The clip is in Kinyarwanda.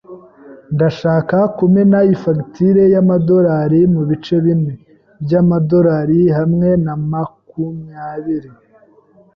Ndashaka kumena iyi fagitire y amadorari mubice bine byamadorari hamwe na makumyabiri.